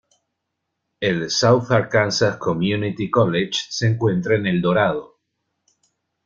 El "South Arkansas Community College" se encuentra en El Dorado.